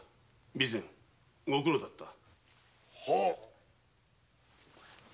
備前ご苦労だった。